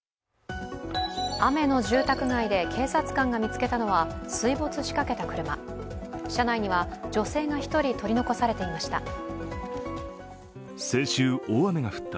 雨の住宅街で警察官が見つけたのは水没しかけた車、車内には女性が１人取り残されていました。